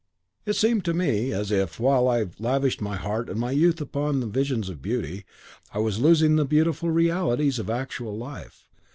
It seemed to me as if, while I lavished my heart and my youth upon visions of beauty, I was losing the beautiful realities of actual life.